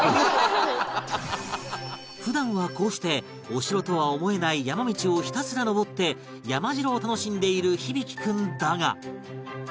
普段はこうしてお城とは思えない山道をひたすら登って山城を楽しんでいる響大君だが